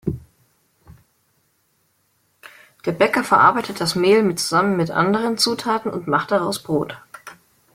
Der Bäcker verarbeitet das Mehl zusammen mit anderen Zutaten und macht daraus Brot.